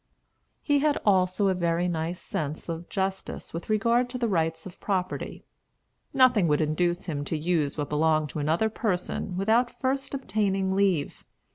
He had also a very nice sense of justice with regard to the rights of property. Nothing would induce him to use what belonged to another person without first obtaining leave.